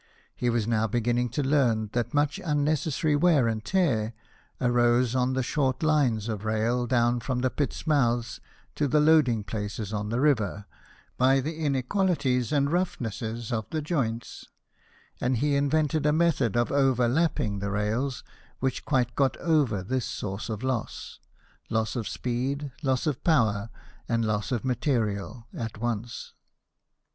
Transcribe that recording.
He was now beginning to learn that much unnecessary wear and tear arose on the short lines of rail down from the pit's mouths to the loading places on the river by the inequalities and roughnesses of the joints ; and he invented a method of overlapping the rails which quite got over this source of loss loss of speed, loss of power, and loss of material at once.